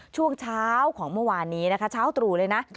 ช่วงเช้าของเมื่อวานนี้นะคะเช้าตรู่เลยนะ